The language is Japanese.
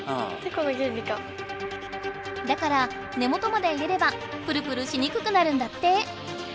だから根元まで入れればプルプルしにくくなるんだって！